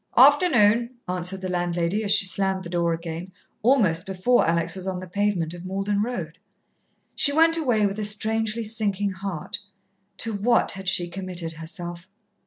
"Afternoon," answered the landlady, as she slammed the door again, almost before Alex was on the pavement of Malden Road. She went away with a strangely sinking heart. To what had she committed herself?